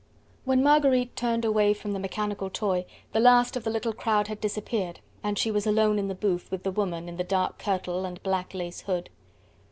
When Marguerite turned away from the mechanical toy, the last of the little crowd had disappeared, and she was alone in the booth with the woman in the dark kirtle and black lace hood.